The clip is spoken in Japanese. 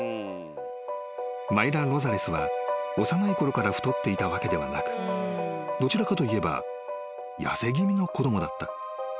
［マイラ・ロザレスは幼いころから太っていたわけではなくどちらかといえば痩せ気味の子供だった］